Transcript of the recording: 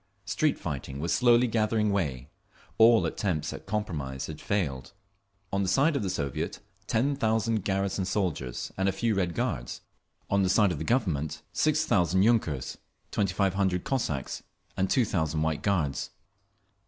Street fighting was slowly gathering way; all attempts at compromise had failed…. On the side of the Soviet, ten thousand garrison soldiers and a few Red Guards; on the side of the Government, six thousand yunkers, twenty five hundred Cossacks and two thousand White Guards.